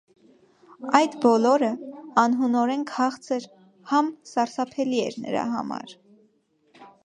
Այդ բոլորը համ անհունորեն քաղցր, համ սարսափելի էր նրա համար…